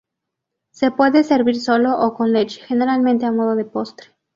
Se puede servir solo o con leche, generalmente a modo de postre.